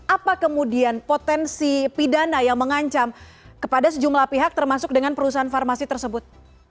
apa kemudian potensi pidana yang mengancam kepada sejumlah pihak termasuk dengan perusahaan farmasi tersebut